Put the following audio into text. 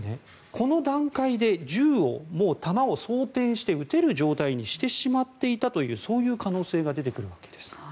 この段階で銃に弾を装てんして撃てる状態にしてしまっていたという可能性が出ているわけです。